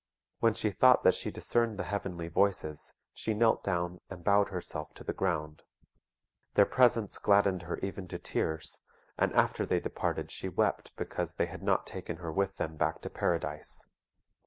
When she thought that she discerned the Heavenly Voices, she knelt down, and bowed herself to the ground. Their presence gladdened her even to tears; and after they departed she wept because they had not taken her with them back to Paradise.